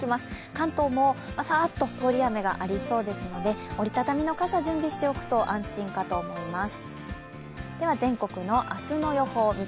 関東もバサッと通り雨がありそうですので折り畳みの傘を準備しておくと安心かと思います。